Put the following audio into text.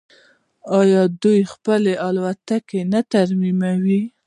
آیا دوی خپلې الوتکې نه ترمیموي؟